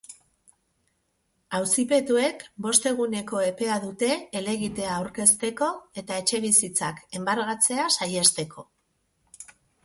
Auzipetuek bost eguneko epea dute helegitea aurkezteko eta etxebizitzak enbargatzea saihesteko.